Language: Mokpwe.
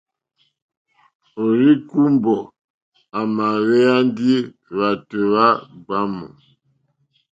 Òrzíkùmbɔ̀ à mà hwɛ́ ndí hwàtò hwá gbǎmù.